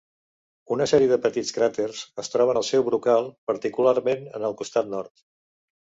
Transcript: Una sèrie de petits cràters es troben el seu brocal, particularment en el costat nord.